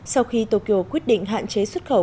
sau khi tokyo quyết định hạn chế xuất khẩu